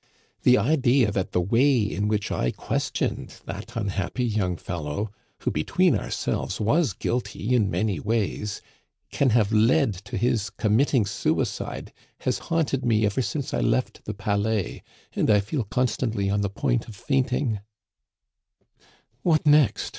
The idea that the way in which I questioned that unhappy young fellow who, between ourselves, was guilty in many ways can have led to his committing suicide has haunted me ever since I left the Palais, and I feel constantly on the point of fainting " "What next?